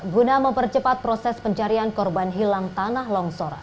guna mempercepat proses pencarian korban hilang tanah longsor